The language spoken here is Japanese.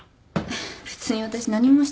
別に私何もしてないよ。